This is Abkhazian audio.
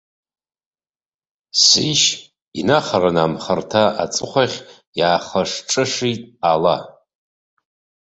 Сишь, инахараны амхырҭа аҵыхәахь иаахышҿышит ала.